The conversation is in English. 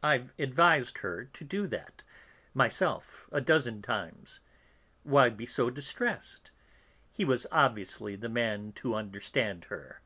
"I've advised her to do that, myself, a dozen times. Why be so distressed? He was obviously the man to understand her."